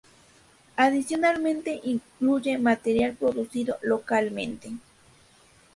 Adicionalmente incluye material producido localmente.